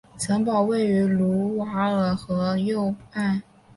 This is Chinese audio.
城堡位于卢瓦尔河右岸。